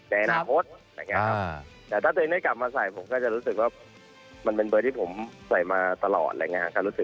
ถ้าเจ้าเองได้กลับมาใส่ผมก็รู้สึกมันเป็นเบอร์ที่ผมใส่มาตลอด